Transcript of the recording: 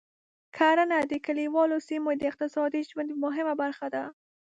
کرنه د کليوالو سیمو د اقتصادي ژوند مهمه برخه ده.